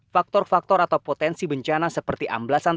faktor faktor atau potensi bencana seperti amblasan